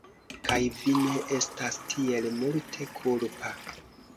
kaj vi ne estas tiel multe kulpa.